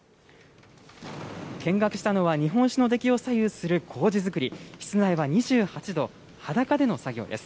見学したのは日本酒の出来を左右するこうじづくり、室内は２８度、裸での作業です。